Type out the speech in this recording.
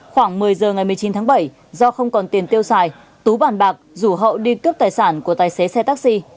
khoảng một mươi giờ ngày một mươi chín tháng bảy do không còn tiền tiêu xài tú bàn bạc rủ hậu đi cướp tài sản của tài xế xe taxi